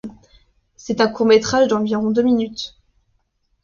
C'est un court-métrage d'environ deux minutes.